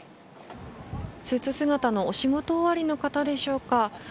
スーツ姿のお仕事終わりの方でしょうか。